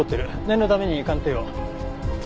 念のために鑑定を。